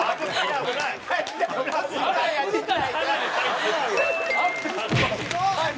危ないよ。